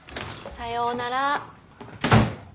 さようなら。